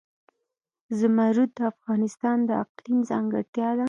زمرد د افغانستان د اقلیم ځانګړتیا ده.